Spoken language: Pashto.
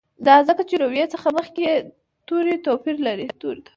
دا ځکه چې روي څخه مخکي یې توري توپیر لري.